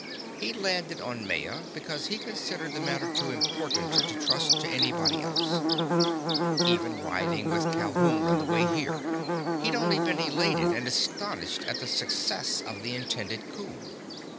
He'd landed on Maya because he considered the matter too important to trust to anybody else. Even riding with Calhoun on the way here, he'd only been elated and astonished at the success of the intended coup.